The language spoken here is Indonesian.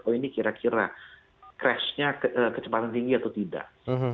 oh ini kira kira crashnya kecepatan tinggi atau tidak